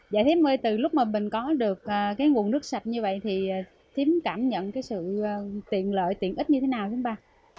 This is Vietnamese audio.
dạ thím ơi từ lúc mà mình có được cái nguồn nước sạch như vậy thì thím cảm nhận cái sự tiện lợi tiện ích như thế nào thím ba